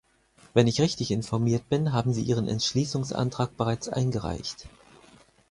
Wenn ich richtig informiert bin, haben Sie Ihren Entschließungsantrag bereits eingereicht.